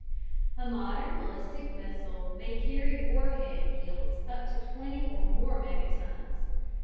A modern ballistic missile may carry warhead yields up to 20 or more megatons.